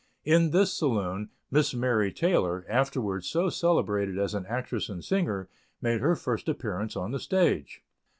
In this saloon Miss Mary Taylor, afterwards so celebrated as an actress and singer, made her first appearance on the stage.